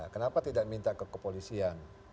kenapa tidak minta ke kepolisian